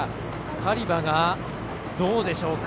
カリバがどうでしょうか。